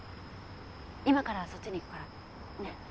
今からそっちに行くから。ね。